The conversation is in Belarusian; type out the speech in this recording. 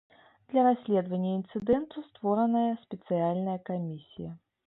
Для расследавання інцыдэнту створаная спецыяльная камісія.